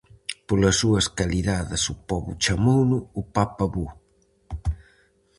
Polas súas calidades o pobo chamouno "O Papa bo".